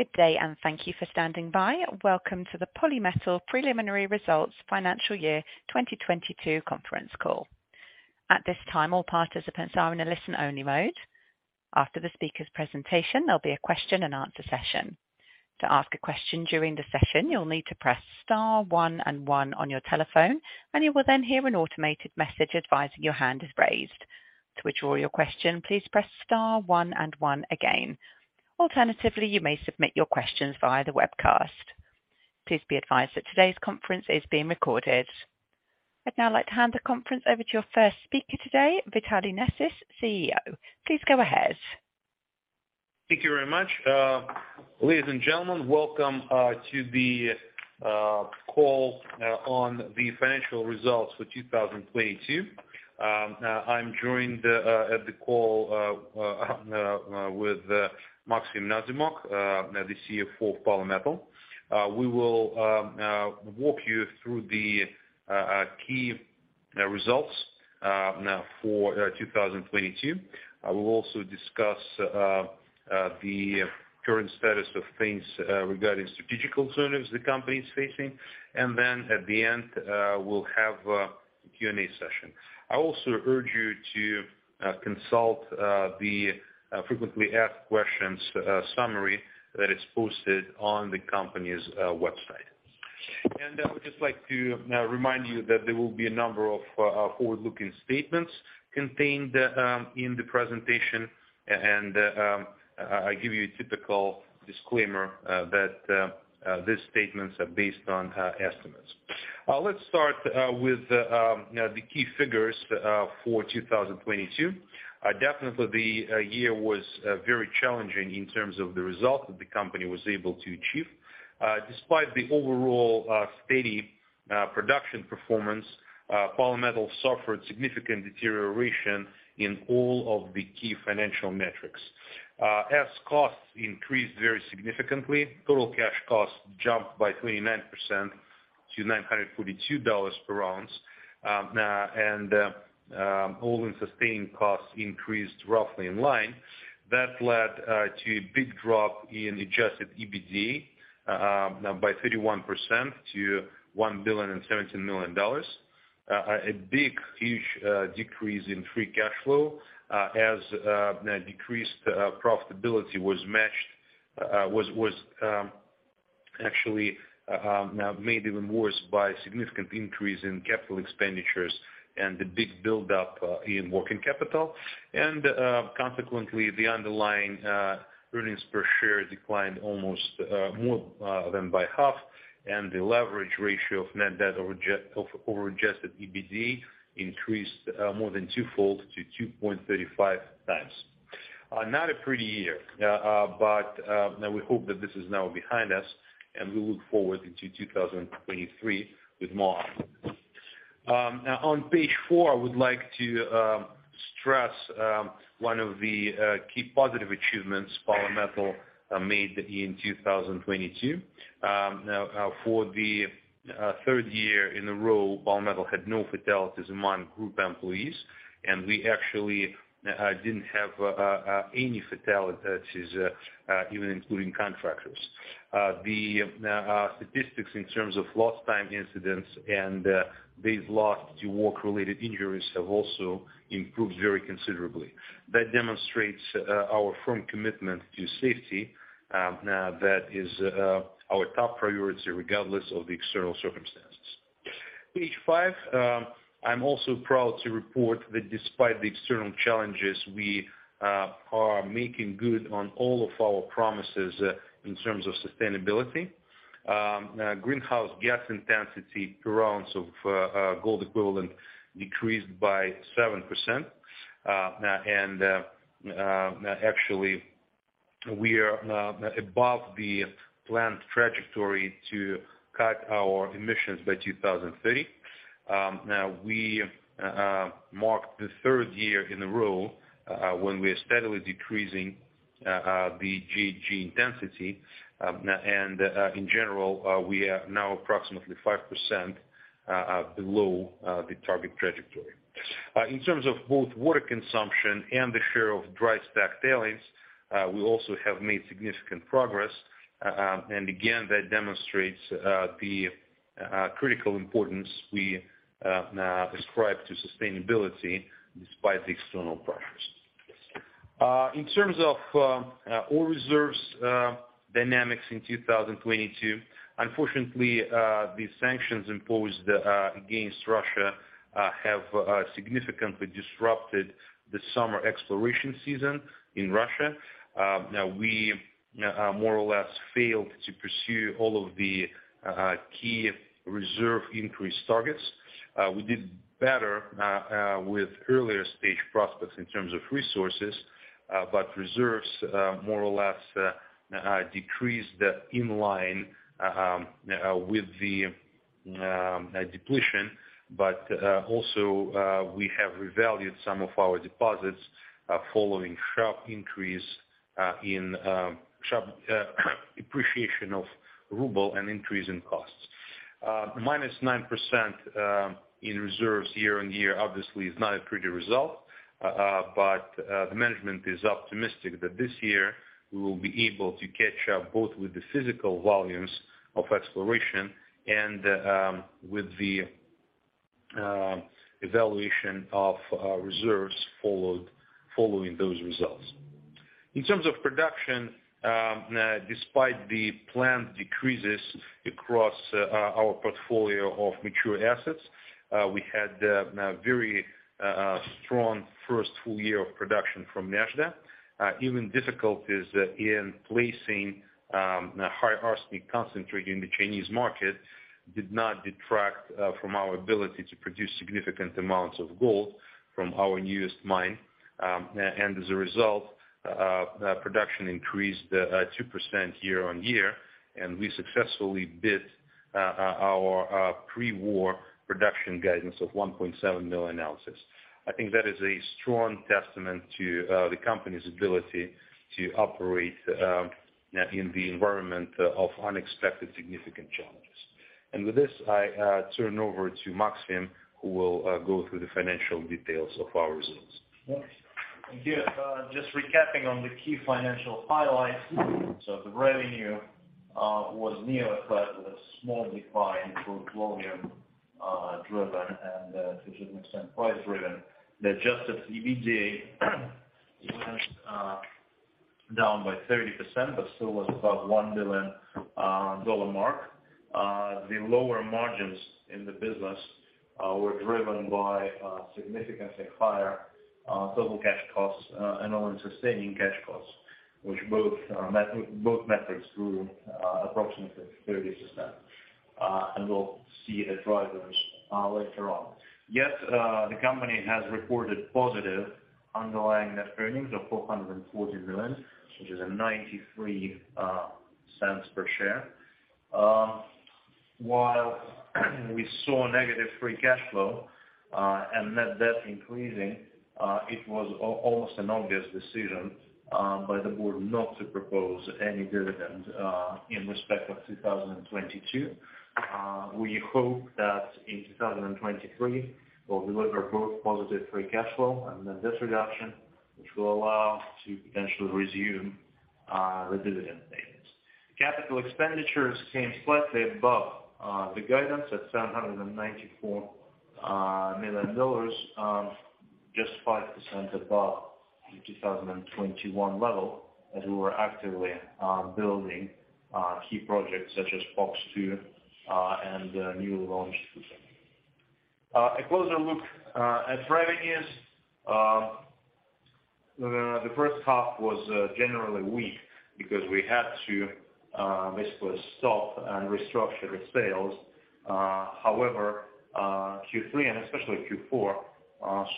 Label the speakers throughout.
Speaker 1: Good day and thank you for standing by. Welcome to the Polymetal Preliminary Results Financial Year 2022 Conference Call. At this time, all participants are in a listen-only mode. After the speaker's presentation, there'll be a question-and-answer session. To ask a question during the session, you'll need to press star one and one on your telephone, and you will then hear an automated message advising your hand is raised. To withdraw your question, please press star one and one again. Alternatively, you may submit your questions via the webcast. Please be advised that today's conference is being recorded. I'd now like to hand the conference over to your first speaker today, Vitaly Nesis, CEO. Please go ahead.
Speaker 2: Thank you very much. Ladies and gentlemen, welcome to the call on the financial results for 2022. I'm joined at the call with Maxim Nazimok, the CFO for Polymetal. We will walk you through the key results now for 2022. I will also discuss the current status of things regarding strategic alternatives the company is facing. Then at the end, we'll have a Q&A session. I also urge you to consult the frequently asked questions summary that is posted on the company's website. I would just like to remind you that there will be a number of forward-looking statements contained in the presentation, and I give you a typical disclaimer that these statements are based on estimates. Let's start with the key figures for 2022. Definitely the year was very challenging in terms of the result that the company was able to achieve. Despite the overall steady production performance, Polymetal suffered significant deterioration in all of the key financial metrics. As costs increased very significantly, Total Cash Costs jumped by 29% to $942 per ounce. All-in Sustaining Costs increased roughly in line. That led to a big drop in Adjusted EBITDA by 31% to $1.017 billion. A big huge decrease in Free Cash Flow as the decreased profitability was matched, was, actually, made even worse by significant increase in capital expenditures and the big buildup in working capital. Consequently, the underlying earnings per share declined almost more than by half, and the leverage ratio of Net Debt over of over Adjusted EBITDA increased more than two-fold to 2.35 times. Not a pretty year, but we hope that this is now behind us, and we look forward into 2023 with more. On page four, I would like to stress one of the key positive achievements Polymetal made in 2022. For the third year in a row, Polymetal had no fatalities among group employees. We actually didn't have any fatalities even including contractors. The statistics in terms of lost time incidents and days lost to work-related injuries have also improved very considerably. That demonstrates our firm commitment to safety, that is our top priority regardless of the external circumstances. Page five, I'm also proud to report that despite the external challenges, we are making good on all of our promises in terms of sustainability. Greenhouse gas intensity per ounce of gold equivalent decreased by 7%. Actually, we are above the planned trajectory to cut our emissions by 2030. We marked the third year in a row when we are steadily decreasing the GHG intensity. In general, we are now approximately 5% below the target trajectory. In terms of both water consumption and the share of dry stack tailings, we also have made significant progress. Again, that demonstrates the critical importance we describe to sustainability despite the external pressures. In terms of oil reserves dynamics in 2022, unfortunately, the sanctions imposed against Russia have significantly disrupted the summer exploration season in Russia. Now we more or less failed to pursue all of the key reserve increase targets. We did better with earlier stage prospects in terms of resources, but reserves more or less decreased in line with the depletion, but also we have revalued some of our deposits following sharp increase in sharp appreciation of RUB and increase in costs. -9% in reserves year-over-year obviously is not a pretty result. The management is optimistic that this year we will be able to catch up both with the physical volumes of exploration and with the evaluation of reserves following those results. In terms of production, despite the planned decreases across our portfolio of mature assets, we had a very strong first full year of production from Nezhda. Even difficulties in placing high arsenic concentrate in the Chinese market did not detract from our ability to produce significant amounts of gold from our newest mine. As a result, production increased 2% year-on-year, and we successfully beat our pre-war production guidance of 1.7 million ounces. I think that is a strong testament to the company's ability to operate in the environment of unexpected significant challenges. With this, I turn over to Maxim, who will go through the financial details of our results.
Speaker 3: Yes. Thank you. Just recapping on the key financial highlights. The revenue was near flat with a small decline, both volume driven and to a certain extent, price driven. The Adjusted EBITDA down by 30%, but still was above $1 million mark. The lower margins in the business were driven by significantly higher Total Cash Costs and All-in Sustaining Cash Costs, which both metrics grew approximately 30%, and we'll see the drivers later on. Yes, the company has reported positive Underlying Net Earnings of $440 million, which is $0.93 per share. While we saw negative Free Cash Flow and Net Debt increasing, it was almost an obvious decision by the board not to propose any dividend in respect of 2022. We hope that in 2023 we'll deliver both positive Free Cash Flow and Net Debt reduction, which will allow us to potentially resume the dividend payments. Capital expenditures came slightly above the guidance at $794 million, just 5% above the 2021 level as we were actively building key projects such as POX-2 and new launch system. A closer look at revenues, the first half was generally weak because we had to basically stop and restructure sales. However, Q3 and especially Q4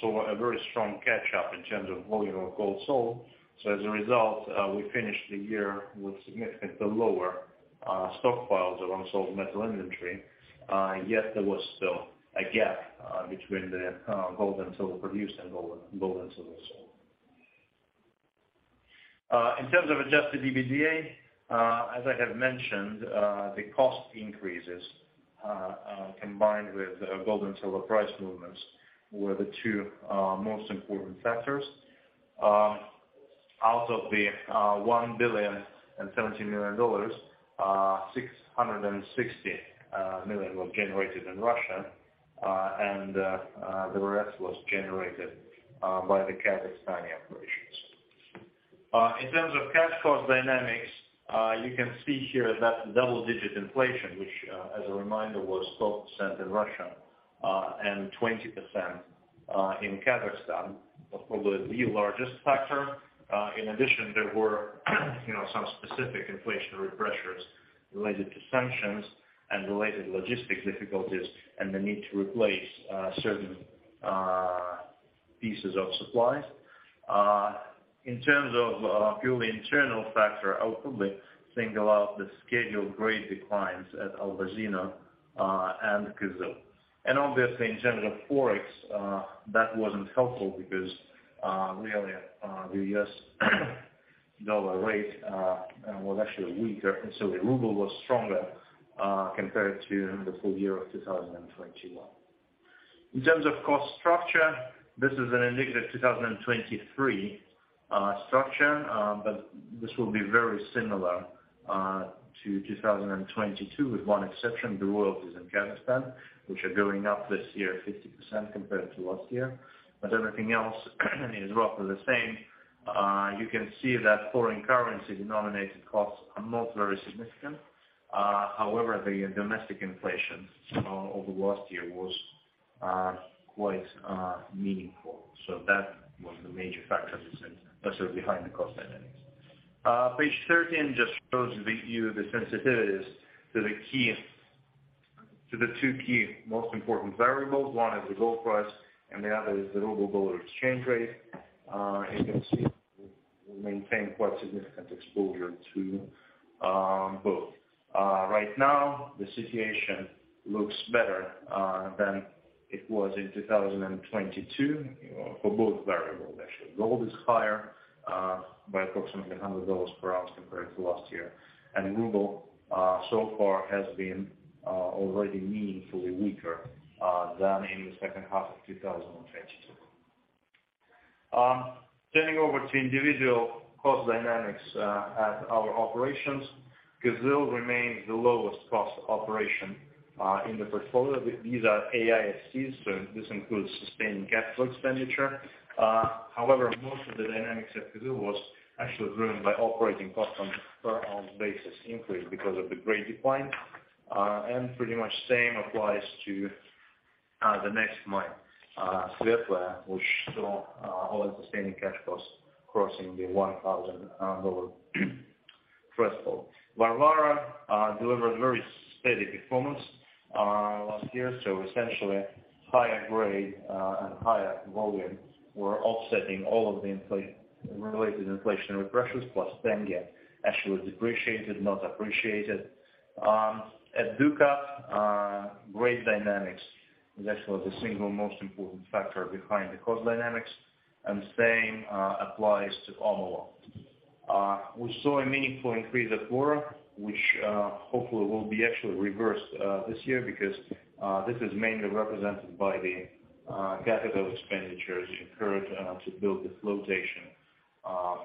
Speaker 3: saw a very strong catch-up in terms of volume of gold sold. As a result, we finished the year with significantly lower stockpiles of unsold metal inventory. Yet there was still a gap between the gold and silver produced and gold and silver sold. In terms of Adjusted EBITDA, as I have mentioned, the cost increases combined with gold and silver price movements were the two most important factors. Out of the $1,070 million, $660 million was generated in Russia, and the rest was generated by the Kazakhstani operations. In terms of cash cost dynamics, you can see here that double-digit inflation, which, as a reminder, was 12% in Russia and 20% in Kazakhstan, was probably the largest factor. In addition, there were, you know, some specific inflationary pressures related to sanctions and related logistics difficulties and the need to replace certain pieces of supplies. In terms of purely internal factor, I would probably single out the scheduled grade declines at Albazino and Kyzyl. Obviously in terms of Forex, that wasn't helpful because, really, the U.S. dollar rate was actually weaker, and so the ruble was stronger, compared to the full year of 2021. In terms of cost structure, this is an indicative 2023 structure, but this will be very similar to 2022, with one exception, the royalties in Kazakhstan, which are going up this year 50% compared to last year. Everything else is roughly the same. You can see that foreign currency denominated costs are not very significant. However, the domestic inflation over last year was quite meaningful. That was the major factor that's behind the cost dynamics. Page 13 just shows you the sensitivities to the two key most important variables. One is the gold price and the other is the ruble-dollar exchange rate. You can see we maintain quite significant exposure to both. Right now the situation looks better than it was in 2022 for both variables actually. Gold is higher by approximately $100 per ounce compared to last year. Ruble so far has been already meaningfully weaker than in the second half of 2022. Turning over to individual cost dynamics at our operations, Kyzyl remains the lowest cost operation in the portfolio. These are AISCs, so this includes sustained capital expenditure. However, most of the dynamics at Kyzyl was actually driven by operating costs on a per ounce basis increase because of the grade decline. Pretty much same applies to the next mine, Svetloe, which saw all the sustaining cash costs crossing the $1,000 dollar threshold. Varvara delivered very steady performance last year. Essentially higher grade and higher volumes were offsetting all of the inflationary pressures, plus tenge actually depreciated, not appreciated. At Dukat, grade dynamics is actually the single most important factor behind the cost dynamics. The same applies to Omolon. We saw a meaningful increase at Voro, which hopefully will be actually reversed this year because this is mainly represented by the capital expenditures incurred to build this flotation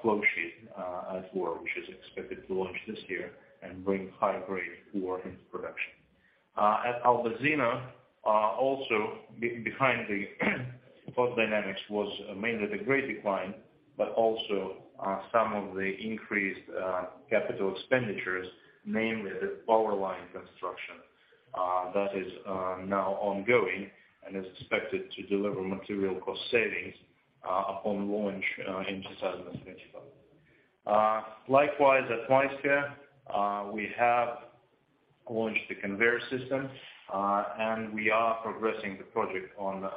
Speaker 3: flow sheet at Voro, which is expected to launch this year and bring higher grade Voro into production. At Albazino, also behind the cost dynamics was mainly the grade decline, but also some of the increased capital expenditures, namely the power line construction, that is now ongoing and is expected to deliver material cost savings upon launch in 2025. Likewise, at Mayskoye, we have launched the conveyor system, and we are progressing the project on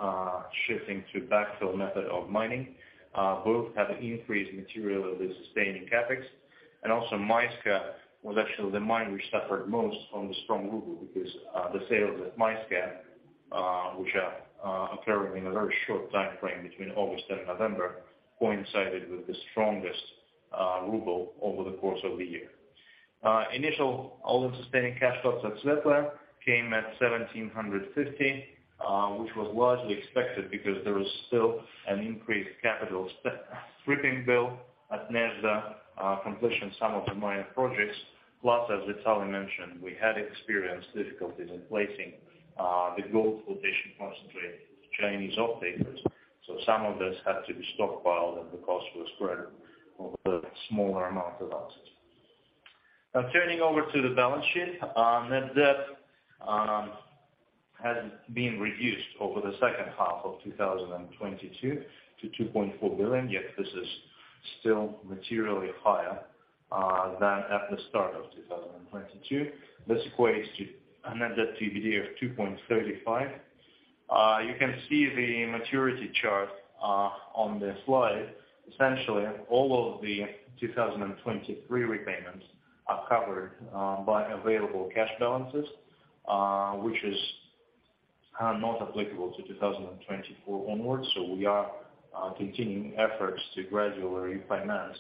Speaker 3: shifting to backfill method of mining. Both have increased material with sustaining CapEx. Also Mayskoye was actually the mine which suffered most from the strong ruble because the sales at Mayskoye, which are occurring in a very short timeframe between August and November, coincided with the strongest ruble over the course of the year. Initial All-in Sustaining cash costs at Svetloe came at $1,750, which was largely expected because there was still an increased capital stripping bill at Nezhda, completion of some of the mine projects. Plus, as Vitaly mentioned, we had experienced difficulties in placing the gold flotation concentrate with Chinese off-takers, so some of this had to be stockpiled, and the cost was spread over the smaller amount of ounces. Turning over to the balance sheet, Net Debt has been reduced over the second half of 2022 to $2.4 billion, yet this is still materially higher than at the start of 2022. This equates to a Net Debt to EBITDA of 2.35. You can see the maturity chart on the slide. Essentially, all of the 2023 repayments are covered by available cash balances, which is not applicable to 2024 onwards. We are continuing efforts to gradually refinance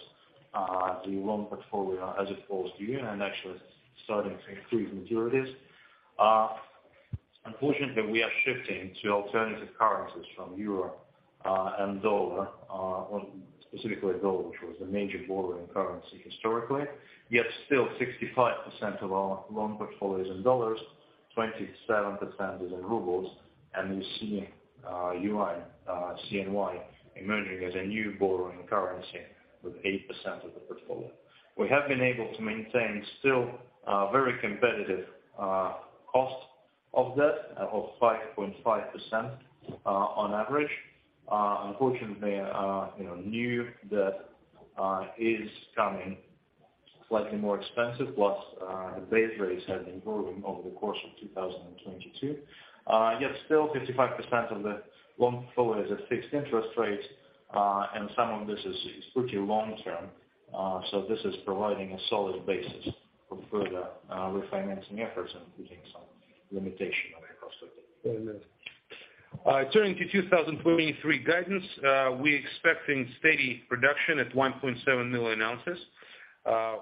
Speaker 3: the loan portfolio as it falls due, and actually starting to increase maturities. Unfortunately, we are shifting to alternative currencies from euro and dollar, or specifically dollar, which was the major borrowing currency historically. Still 65% of our loan portfolio is in dollars, 27% is in rubles, and we see yuan, CNY emerging as a new borrowing currency with 8% of the portfolio. We have been able to maintain still very competitive cost of debt of 5.5% on average. Unfortunately, you know, new debt, is coming slightly more expensive, plus, the base rates have been growing over the course of 2022. Still 55% of the loan portfolio is at fixed interest rates, and some of this is pretty long term. This is providing a solid basis for further, refinancing efforts and putting some limitation on the cost of debt.
Speaker 2: Very well. Turning to 2023 guidance, we are expecting steady production at 1.7 million ounces.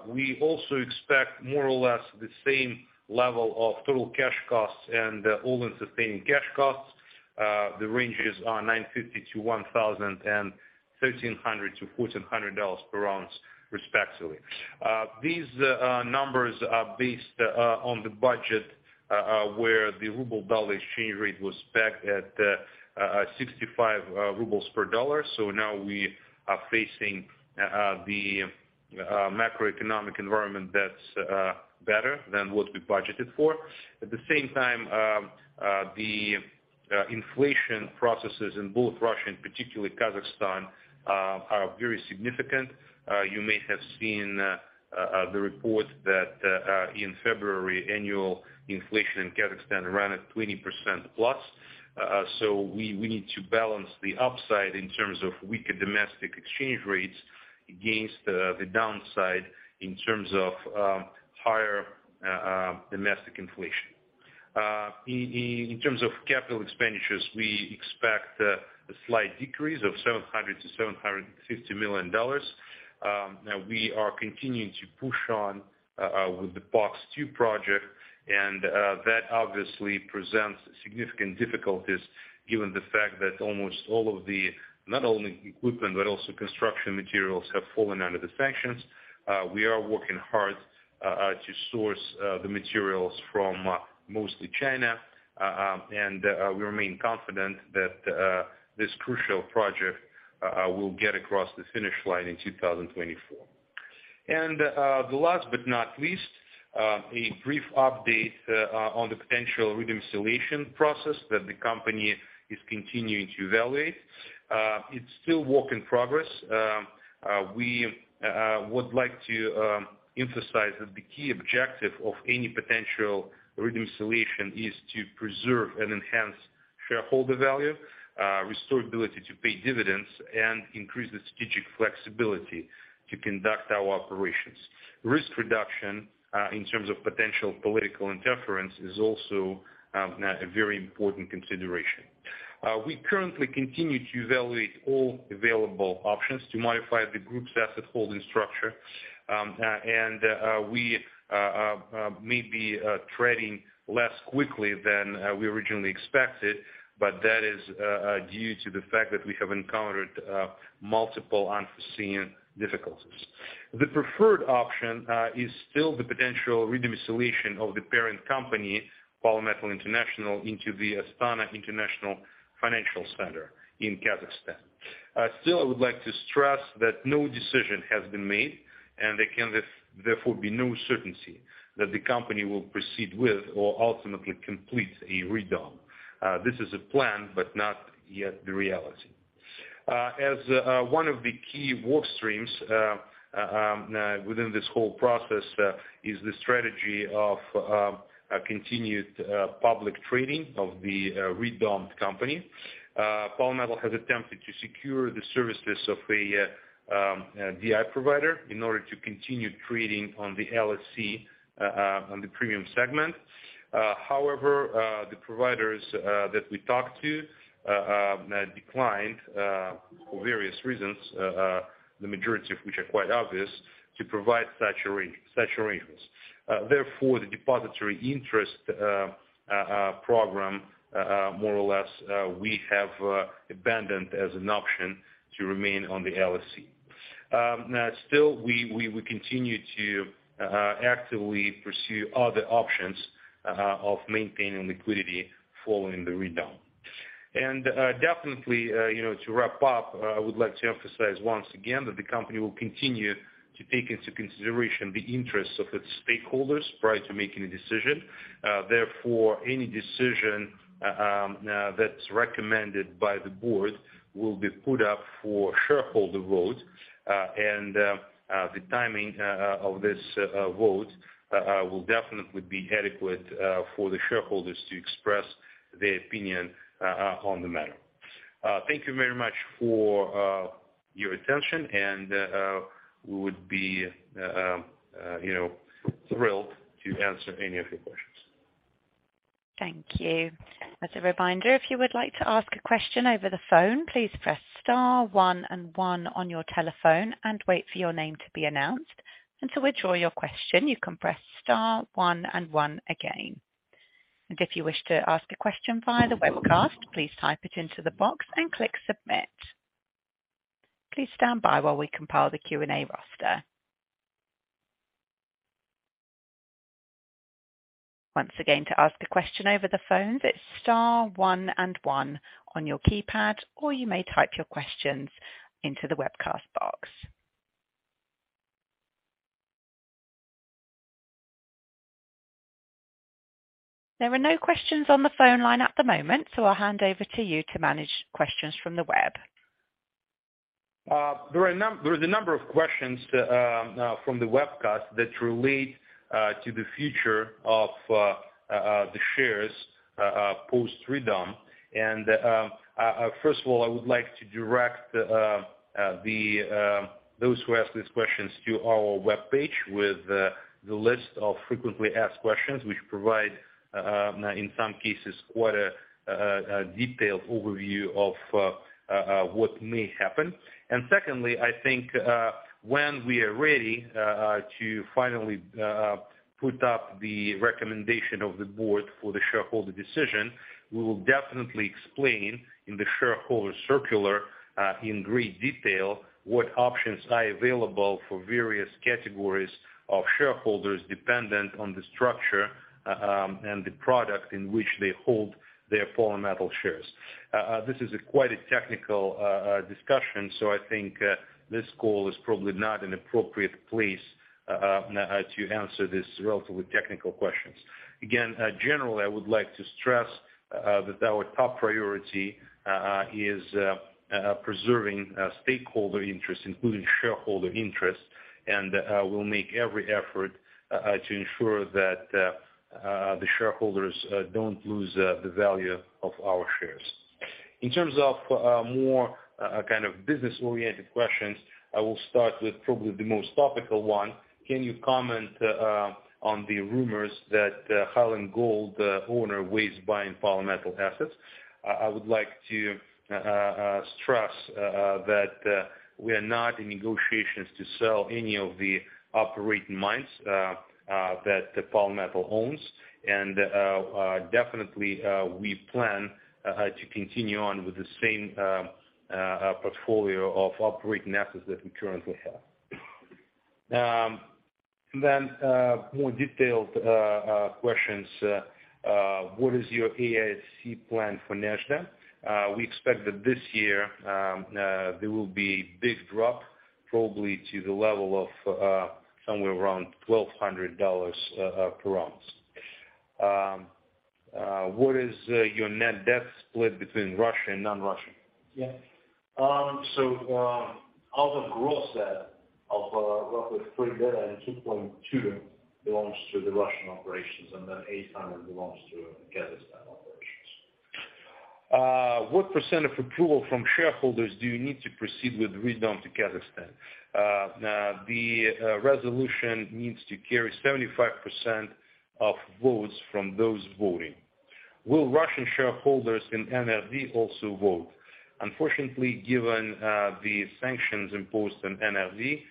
Speaker 2: We also expect more or less the same level of Total Cash Costs and All-in Sustaining Costs. The ranges are $950-$1,000 and $1,300-$1,400 per ounce respectively. These numbers are based on the budget where the ruble-dollar exchange rate was pegged at 65 rubles per dollar. So now we are facing the macroeconomic environment that is better than what we budgeted for. At the same time, the inflation processes in both Russia and particularly Kazakhstan are very significant. You may have seen the report that in February, annual inflation in Kazakhstan ran at 20% plus We need to balance the upside in terms of weaker domestic exchange rates against the downside in terms of higher domestic inflation. In terms of capital expenditures, we expect a slight decrease of $700 million-$750 million. Now we are continuing to push on with the POX-2 project, that obviously presents significant difficulties given the fact that almost all of the, not only equipment but also construction materials have fallen under the sanctions. We are working hard to source the materials from mostly China, and we remain confident that this crucial project will get across the finish line in 2024. The last but not least, a brief update on the potential redomiciliation process that the company is continuing to evaluate. It's still work in progress. We would like to emphasize that the key objective of any potential redomiciliation is to preserve and enhance shareholder value, restore ability to pay dividends and increase the strategic flexibility to conduct our operations. Risk reduction in terms of potential political interference is also a very important consideration. We currently continue to evaluate all available options to modify the group's asset holding structure. We may be trading less quickly than we originally expected, but that is due to the fact that we have encountered multiple unforeseen difficulties. The preferred option is still the potential redomiciliation of the parent company, Polymetal International, into the Astana International Financial Center in Kazakhstan. Still, I would like to stress that no decision has been made. There can therefore be no certainty that the company will proceed with or ultimately complete a redom. This is a plan, not yet the reality. As one of the key work streams within this whole process, is the strategy of a continued public trading of the redomed company. Polymetal has attempted to secure the services of a DI provider in order to continue trading on the LSE on the Premium Segment. The providers that we talked to declined for various reasons, the majority of which are quite obvious, to provide such arrangements. Therefore, the depository interest program, more or less, we have abandoned as an option to remain on the LSE. Still, we continue to actively pursue other options of maintaining liquidity following the redom. Definitely, you know, to wrap up, I would like to emphasize once again that the company will continue to take into consideration the interests of its stakeholders prior to making a decision. Therefore, any decision that's recommended by the board will be put up for shareholder vote, and the timing of this vote will definitely be adequate for the shareholders to express their opinion on the matter. Thank you very much for your attention and we would be, you know, thrilled to answer any of your questions.
Speaker 1: Thank you. As a reminder, if you would like to ask a question over the phone, please press star one and one on your telephone and wait for your name to be announced. To withdraw your question, you can press star one and one again. If you wish to ask a question via the webcast, please type it into the box and click submit. Please stand by while we compile the Q&A roster. Once again, to ask a question over the phone, that's star one and one on your keypad, or you may type your questions into the webcast box. There are no questions on the phone line at the moment, so I'll hand over to you to manage questions from the web.
Speaker 2: There is a number of questions from the webcast that relate to the future of the shares post-redom. First of all, I would like to direct those who ask these questions to our webpage with the list of frequently asked questions, which provide in some cases, quite a detailed overview of what may happen. Secondly, I think, when we are ready to finally put up the recommendation of the board for the shareholder decision, we will definitely explain in the shareholder circular in great detail what options are available for various categories of shareholders dependent on the structure and the product in which they hold their Polymetal shares. This is quite a technical discussion, so I think this call is probably not an appropriate place to answer these relatively technical questions. Again, generally, I would like to stress that our top priority is preserving stakeholder interest, including shareholder interest, and we'll make every effort to ensure that the shareholders don't lose the value of our shares. In terms of more kind of business-oriented questions, I will start with probably the most topical one. Can you comment on the rumors that Highland Gold owner weighs buying Polymetal assets? I would like to stress that we are not in negotiations to sell any of the operating mines that Polymetal owns. Definitely, we plan to continue on with the same portfolio of operating assets that we currently have. Then, more detailed questions. What is your AISC plan for Nezhda? We expect that this year, there will be a big drop, probably to the level of somewhere around $1,200 per ounce. What is your Net Debt split between Russia and non-Russia? Out of gross debt of roughly $3 billion, $2.2 billion belongs to the Russian operations, and then $800 million belongs to Kazakhstan operations. What percent of approval from shareholders do you need to proceed with redom to Kazakhstan? The resolution needs to carry 75% of votes from those voting. Will Russian shareholders in NRD also vote? Unfortunately, given the sanctions imposed on NRD,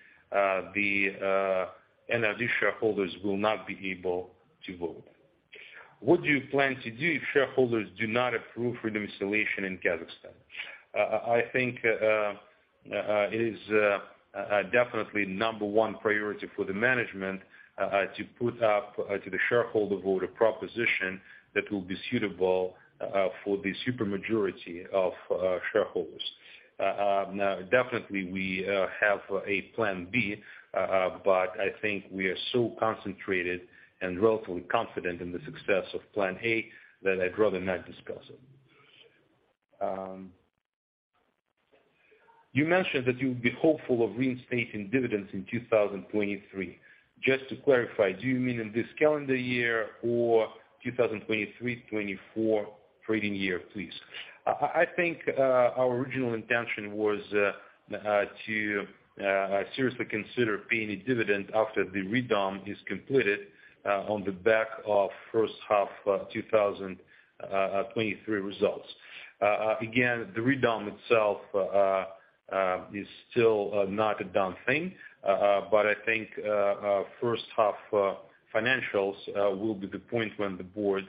Speaker 2: the NRD shareholders will not be able to vote. What do you plan to do if shareholders do not approve redomiciliation in Kazakhstan? I think it is definitely number one priority for the management to put up to the shareholder vote a proposition that will be suitable for the super majority of shareholders. Now definitely we have a plan B. I think we are so concentrated and relatively confident in the success of plan A that I'd rather not discuss it. You mentioned that you'll be hopeful of reinstating dividends in 2023. Just to clarify, do you mean in this calendar year or 2023-2024 trading year, please? I think our original intention was to seriously consider paying a dividend after the redom is completed on the back of first half 2023 results. Again, the redom itself is still not a done thing, but I think first half financials will be the point when the board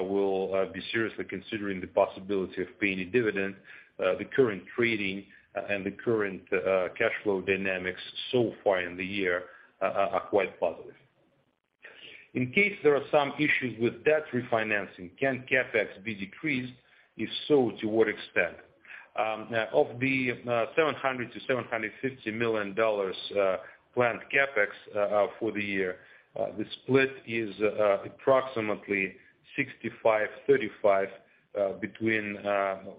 Speaker 2: will be seriously considering the possibility of paying a dividend. The current trading and the current cash flow dynamics so far in the year are quite positive. In case there are some issues with debt refinancing, can CapEx be decreased? If so, to what extent? Of the $700 million-$750 million planned CapEx for the year, the split is approximately 65, 35 between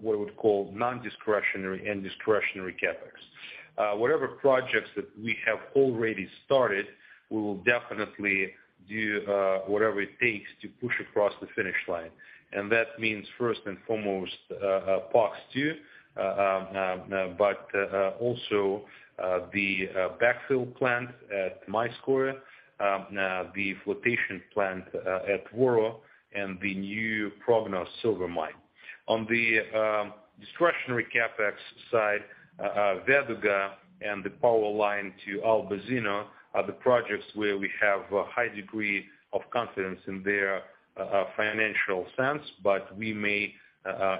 Speaker 2: what we would call non-discretionary and discretionary CapEx. Whatever projects that we have already started, we will definitely do whatever it takes to push across the finish line. That means first and foremost, POX-2, but also the backfill plant at Mayskoye, the flotation plant at Voro and the new Prognoz silver mine. On the discretionary CapEx side, Veduga and the power line to Albazino are the projects where we have a high degree of confidence in their financial sense, but we may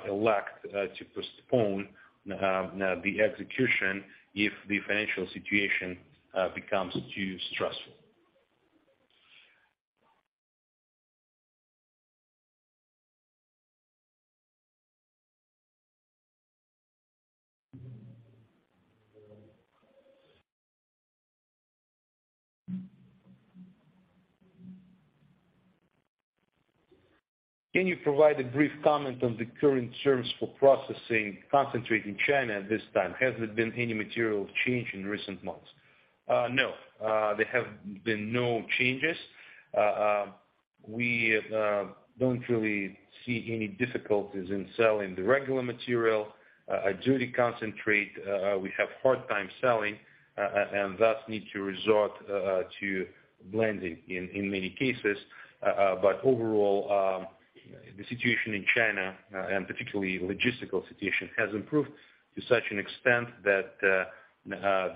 Speaker 2: elect to postpone the execution if the financial situation becomes too stressful. Can you provide a brief comment on the current terms for processing concentrate in China at this time? Has there been any material change in recent months? No, there have been no changes. We don't really see any difficulties in selling the regular material. A duty concentrate, we have hard time selling and thus need to resort to blending in many cases. Overall, the situation in China, and particularly logistical situation, has improved to such an extent that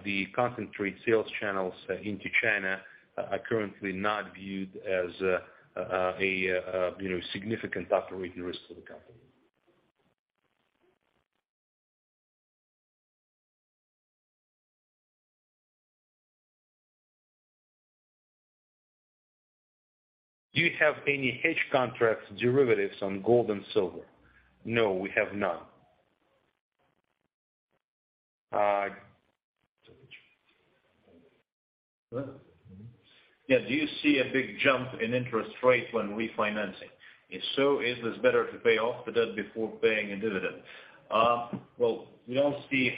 Speaker 2: the concentrate sales channels into China are currently not viewed as, you know, significant operating risk for the company. Do you have any hedge contract derivatives on gold and silver? No, we have none. Yeah. Do you see a big jump in interest rate when refinancing? If so, is this better to pay off the debt before paying a dividend? Well, we don't see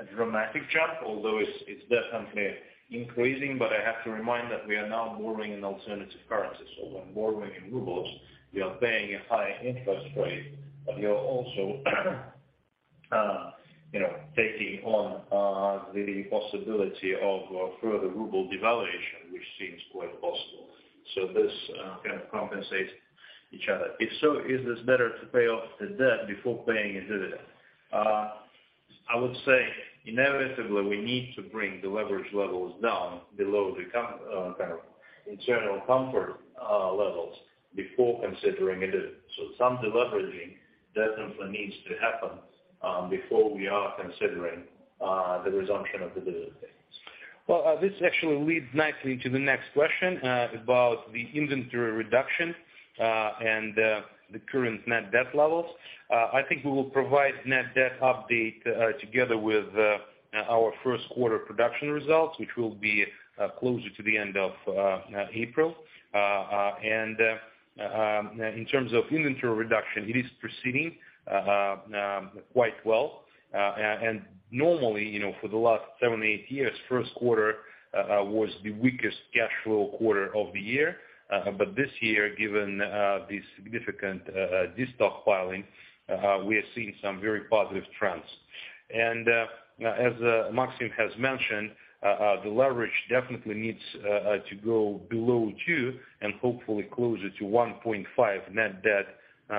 Speaker 2: a dramatic jump, although it's definitely increasing, but I have to remind that we are now borrowing in alternative currencies. When borrowing in rubles, we are paying a high interest rate, but we are also, you know, taking on the possibility of further ruble devaluation, which seems quite possible. This kind of compensates each other. If so, is this better to pay off the debt before paying a dividend? I would say inevitably we need to bring the leverage levels down below the kind of internal comfort levels before considering a dividend. Some deleveraging definitely needs to happen before we are considering the resumption of the dividend payments. This actually leads nicely to the next question about the inventory reduction and the current Net Debt levels. I think we will provide Net Debt update together with our Q1 production results, which will be closer to the end of April. And in terms of inventory reduction, it is proceeding quite well. Normally, you know, for the last seven, eight years, Q1 was the weakest cash flow quarter of the year. This year, given the significant destockpiling, we are seeing some very positive trends. As Maxim has mentioned, the leverage definitely needs to go below two and hopefully closer to 1.5 Net Debt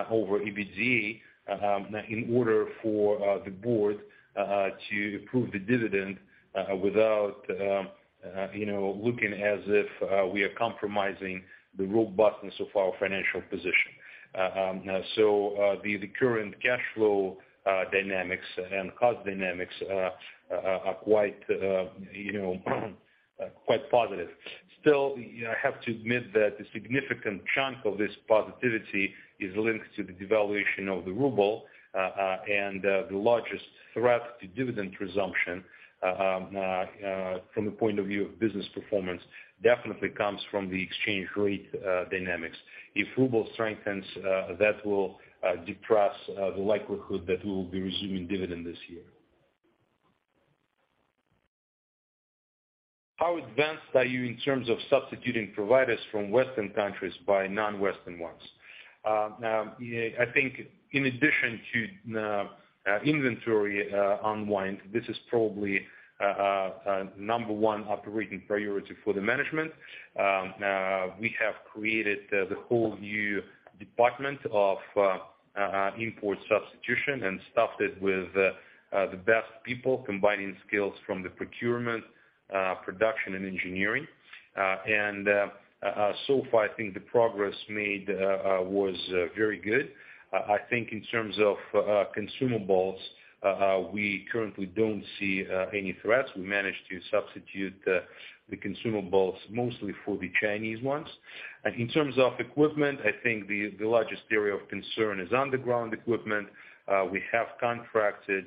Speaker 2: over EBITDA, in order for the board to approve the dividend without, you know, looking as if we are compromising the robustness of our financial position. The current cash flow dynamics and cost dynamics are quite, you know, quite positive. Still, you know, I have to admit that a significant chunk of this positivity is linked to the devaluation of the ruble, the largest threat to dividend resumption from the point of view of business performance, definitely comes from the exchange rate dynamics. If ruble strengthens, that will depress the likelihood that we will be resuming dividend this year. How advanced are you in terms of substituting providers from Western countries by non-Western ones? Yeah, I think in addition to inventory unwind, this is probably number one operating priority for the management. We have created the whole new department of import substitution and stuffed it with the best people combining skills from the procurement, production and engineering. So far I think the progress made was very good. I think in terms of consumables, we currently don't see any threats. We managed to substitute the consumables mostly for the Chinese ones. In terms of equipment, I think the largest area of concern is underground equipment. We have contracted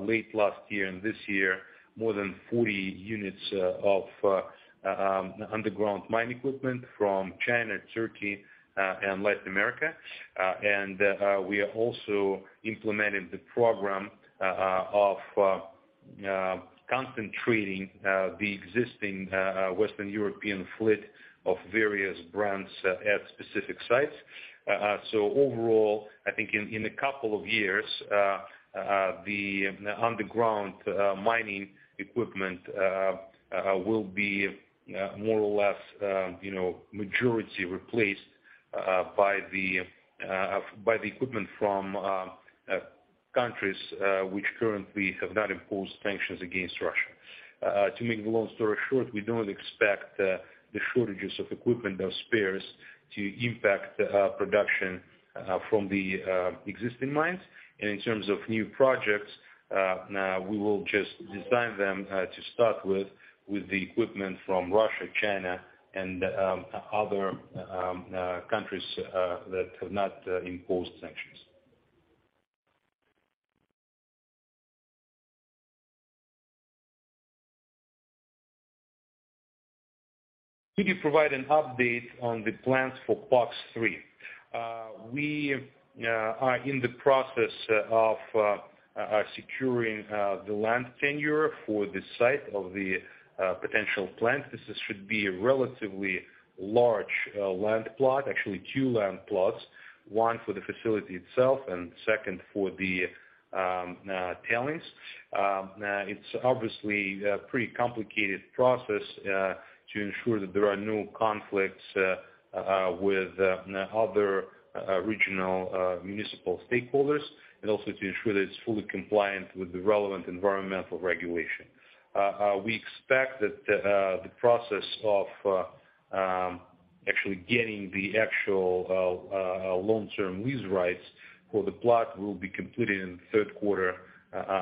Speaker 2: late last year and this year, more than 40 units of underground mine equipment from China, Turkey, and Latin America. We are also implementing the program of concentrating the existing Western European fleet of various brands at specific sites. Overall, I think in a couple of years, the underground mining equipment will be more or less, you know, majority replaced by the equipment from countries which currently have not imposed sanctions against Russia. To make the long story short, we don't expect the shortages of equipment or spares to impact production from the existing mines. In terms of new projects, we will just design them to start with the equipment from Russia, China and other countries that have not imposed sanctions. Could you provide an update on the plans for POX-3? We are in the process of securing the land tenure for the site of the potential plant. This should be a relatively large land plot, actually two land plots, one for the facility itself, and second for the tailings. It's obviously a pretty complicated process to ensure that there are no conflicts with other regional municipal stakeholders, and also to ensure that it's fully compliant with the relevant environmental regulation. We expect that the process of actually getting the actual long-term lease rights for the plot will be completed in the Q3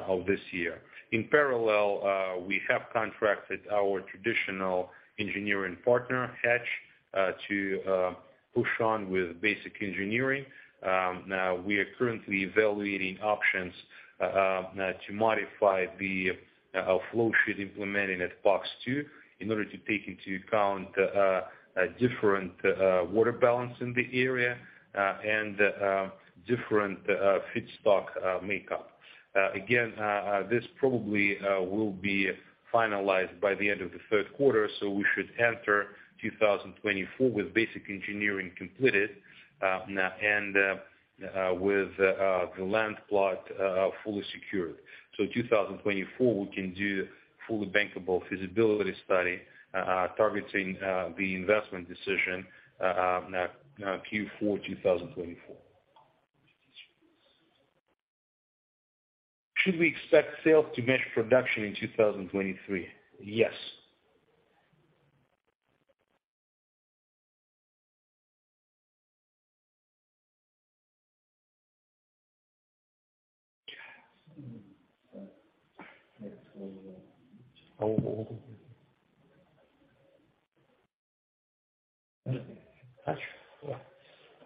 Speaker 2: of this year. In parallel, we have contracted our traditional engineering partner, Hatch, to push on with basic engineering. Now we are currently evaluating options to modify our flow sheet implementing at POX-2 in order to take into account a different water balance in the area and different feedstock makeup. Again, this probably will be finalized by the end of the Q3, so we should enter 2024 with basic engineering completed and with the land plot fully secured. So 2024, we can do fully bankable feasibility study, targeting the investment decision, Q4 2024. Should we expect sales to match production in 2023? Yes.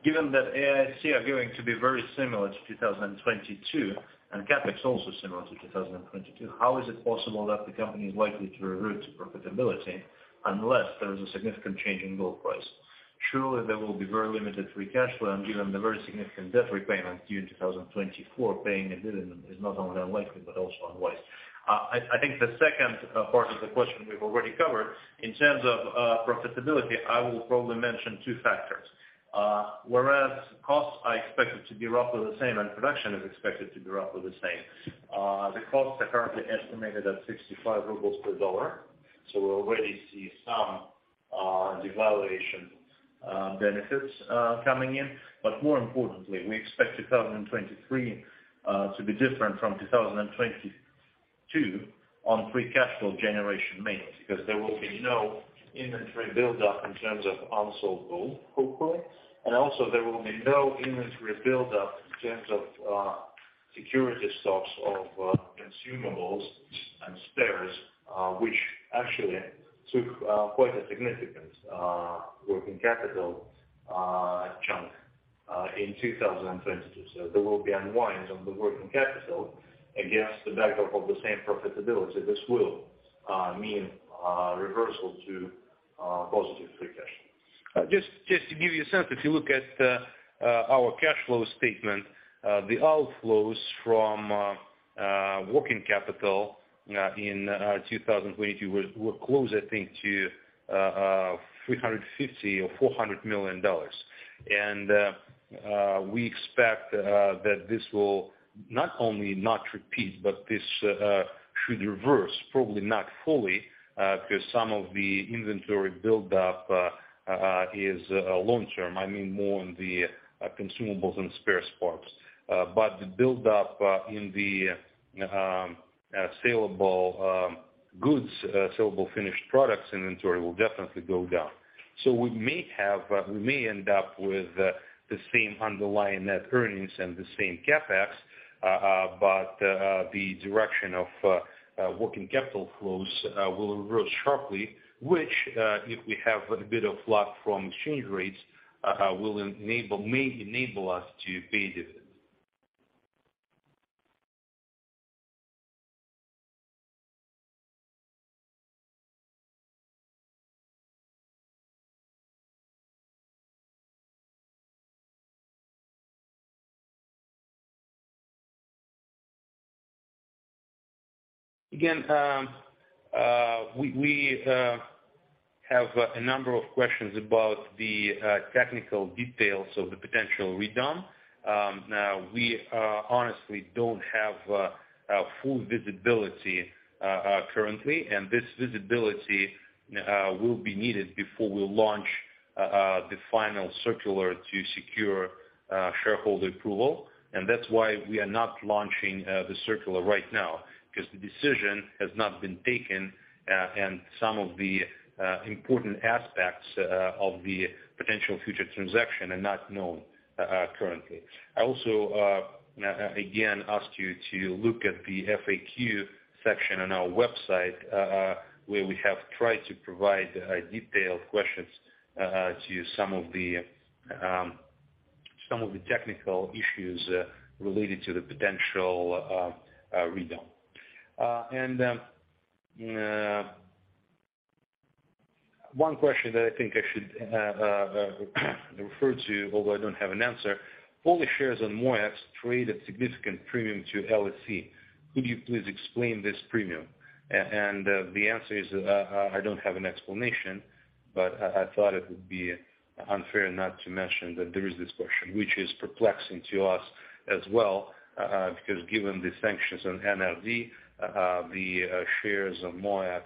Speaker 2: Given that AIC are going to be very similar to 2022, and CapEx also similar to 2022, how is it possible that the company is likely to revert to profitability unless there is a significant change in gold price? Surely, there will be very limited free cash flow and given the very significant debt repayment due in 2024, paying a dividend is not only unlikely, but also unwise. I think the second part of the question we've already covered. In terms of profitability, I will probably mention two factors. Whereas costs are expected to be roughly the same and production is expected to be roughly the same, the costs are currently estimated at 65 rubles per dollar, so we already see some devaluation benefits coming in. More importantly, we expect 2023 to be different from 2022 on Free Cash Flow generation means because there will be no inventory buildup in terms of unsold gold, hopefully. Also, there will be no inventory buildup in terms of security stocks of consumables and spares, which actually took quite a significant working capital chunk in 2022. There will be unwinds on the working capital against the backdrop of the same profitability. This will mean reversal to positive Free Cash Flow. Just to give you a sense, if you look at our cash flow statement, the outflows from working capital in 2022 were close, I think, to $350 million or $400 million. We expect that this will not only not repeat, but this should reverse, probably not fully, because some of the inventory buildup is long-term. I mean, more on the consumables and spare parts. The buildup in the saleable goods, saleable finished products inventory will definitely go down. We may have, we may end up with the same underlying net earnings and the same CapEx, but the direction of working capital flows will reverse sharply, which, if we have a bit of luck from exchange rates, will enable, may enable us to pay dividends. Again, we have a number of questions about the technical details of the potential redom. Now we honestly don't have a full visibility currently, and this visibility will be needed before we launch the final circular to secure shareholder approval. That's why we are not launching the circular right now, because the decision has not been taken, and some of the important aspects of the potential future transaction are not known currently. I also again ask you to look at the FAQ section on our website, where we have tried to provide detailed questions to some of the technical issues related to the potential redom. One question that I think I should refer to, although I don't have an answer, all the shares on MOEX trade at significant premium to LSE. Could you please explain this premium? The answer is, I don't have an explanation, but I thought it would be unfair not to mention that there is this question, which is perplexing to us as well, because given the sanctions on NRD, the shares of MOEX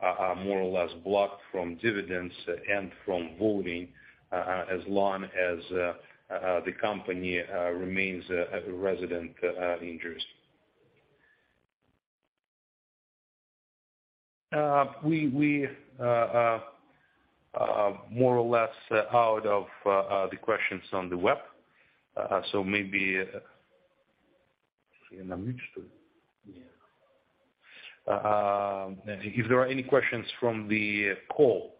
Speaker 2: are more or less blocked from dividends and from voting, as long as the company remains a resident in Jersey. We more or less out of the questions on the web. Maybe if there are any questions from the call.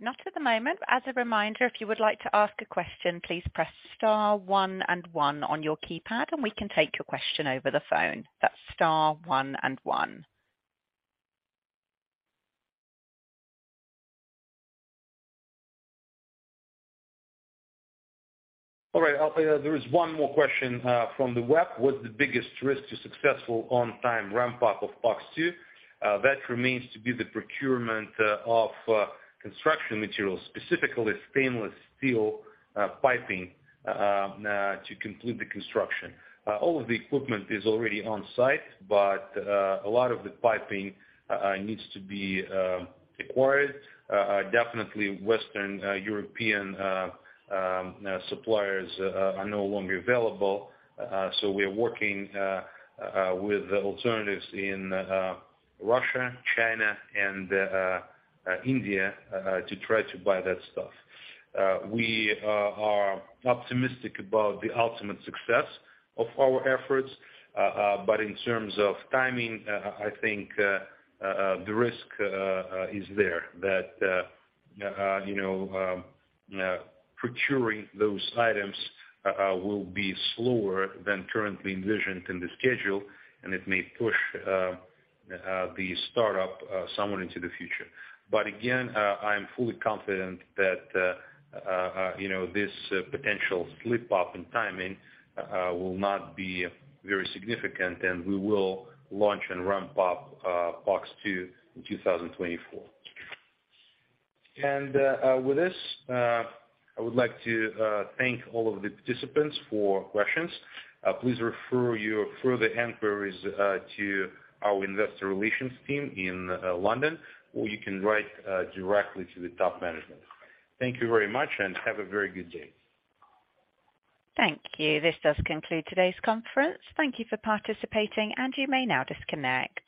Speaker 1: Not at the moment. As a reminder, if you would like to ask a question, please press star one and one on your keypad, and we can take your question over the phone. That's star one and one.
Speaker 2: All right. There is one more question from the web. What's the biggest risk to successful on time ramp-up of POX-2? That remains to be the procurement of construction materials, specifically stainless steel piping, to complete the construction. All of the equipment is already on site, a lot of the piping needs to be acquired. Definitely Western European suppliers are no longer available, we are working with alternatives in Russia, China and India to try to buy that stuff. We are optimistic about the ultimate success of our efforts, but in terms of timing, I think the risk is there that, you know, procuring those items will be slower than currently envisioned in the schedule, and it may push the startup somewhat into the future. Again, I am fully confident that, you know, this potential slip up in timing will not be very significant, and we will launch and ramp up POX-2 in 2024. With this, I would like to thank all of the participants for questions. Please refer your further inquiries to our investor relations team in London, or you can write directly to the top management. Thank you very much and have a very good day.
Speaker 1: Thank you. This does conclude today's conference. Thank you for participating. You may now disconnect.